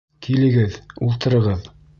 Килегеҙ, ултырығыҙ.